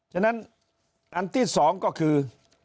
ฉะนั้นอันที่๒ก็คือ